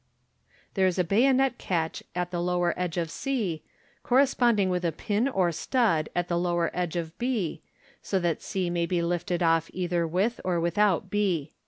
There is a bayonet catch at the lower edge of c, cor responding with a pin or stud at the lower edge of b, so that c may be lifted off either with or without b.